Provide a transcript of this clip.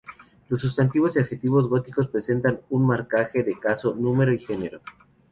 Los sustantivos y adjetivos góticos presentan marcaje de caso, número y genero.